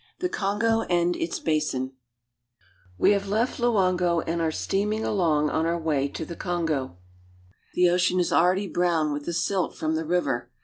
THE KONGO AND ITS BASIN WE have left Loango and are steaming along on our way to the Kongo. The ocean is already brown with the silt from the river.